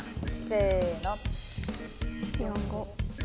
せの。